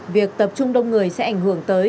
việc tập trung đông người sẽ ảnh hưởng tới